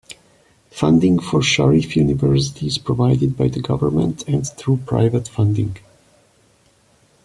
Funding for Sharif University is provided by the government and through private funding.